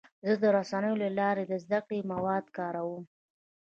زه د رسنیو له لارې د زده کړې مواد کاروم.